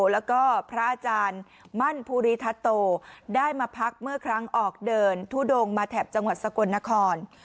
แล้วก็พระอาจารย์มั่นภูริทัศโตได้มาพักเมื่อครั้งออกเดินทุดงมาแถบจังหวัดสกลนคร